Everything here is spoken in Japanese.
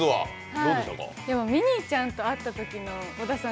ミニーちゃんと会ったときの小田さん